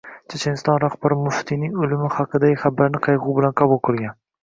Checheniston rahbari muftiyning o‘limi haqidagi xabarni qayg‘u bilan qabul qilgan